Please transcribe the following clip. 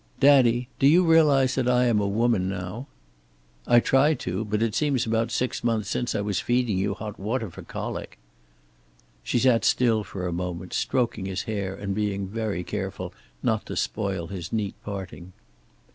"Daddy, do you realize that I am a woman now?" "I try to. But it seems about six months since I was feeding you hot water for colic." She sat still for a moment, stroking his hair and being very careful not to spoil his neat parting.